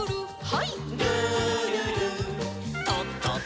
はい。